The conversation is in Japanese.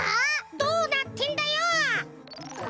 どうなってんだよ！？